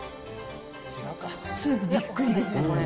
ちょっとスープびっくりですね、これ。